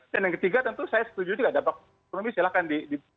yang ketiga tentu saya setuju juga dampak ekonomi silahkan di